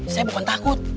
saya bukan takut